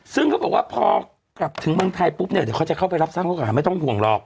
ซึ่งเขาบอกว่าพอกลับถึงเมืองไทยปุ๊บเนี่ยเดี๋ยวเขาจะเข้าไปรับสร้างข้อหาไม่ต้องห่วงหรอก